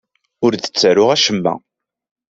Ur d-ttaruɣ acemma.